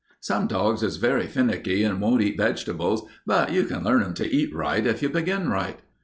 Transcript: Some dogs is very finicky and won't eat vegetables, but you can learn 'em to eat right if you begin right.